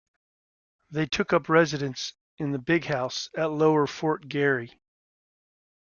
They took up residence in the "Big House" at Lower Fort Garry.